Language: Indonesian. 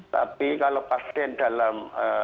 tapi kalau pasien dalam